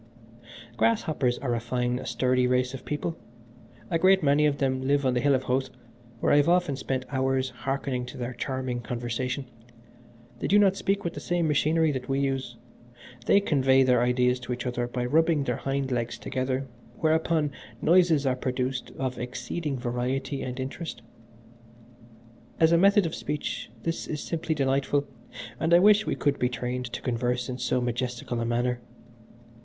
"Grasshoppers are a fine, sturdy race of people. A great many of them live on the Hill of Howth, where I have often spent hours hearkening to their charming conversation. They do not speak with the same machinery that we use they convey their ideas to each other by rubbing their hind legs together, whereupon noises are produced of exceeding variety and interest. As a method of speech this is simply delightful, and I wish we could be trained to converse in so majestical a manner.